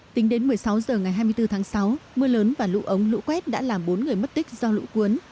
tính đến một mươi sáu h ngày hai mươi bốn tháng sáu mưa lớn và lũ ống lũ quét đã làm bốn người mất tích do lũ cuốn